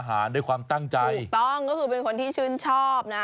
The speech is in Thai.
ด้วยความตั้งใจถูกต้องก็คือเป็นคนที่ชื่นชอบนะ